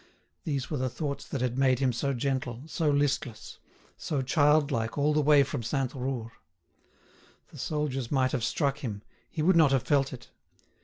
These were the thoughts that had made him so gentle, so listless, so childlike all the way from Sainte Roure. The soldiers might have struck him, he would not have felt it.